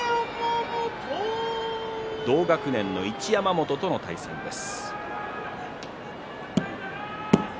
同学年の一山本との対戦です。